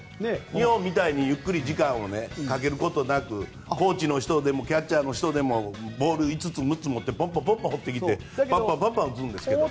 日本みたいにゆっくり時間をかけることもなくコーチの人でもキャッチャーの人でもボール５つ６つ持ってポンポン放ってきてバンバン打つんですけど。